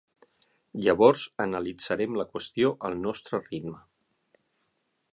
Llavors, analitzarem la qüestió al nostre ritme.